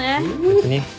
別に。